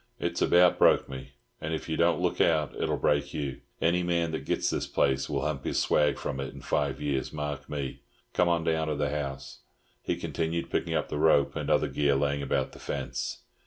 "It's about broke me, and if you don't look out it'll break you. Any man that gits this place will hump his swag from it in five years, mark me! Come on down to the house," he continued, picking up the rope and other gear lying about the fence.